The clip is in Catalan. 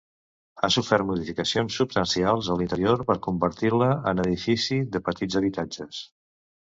Ha sofert modificacions substancials a l'interior, per convertir-la en edifici de petits habitatges.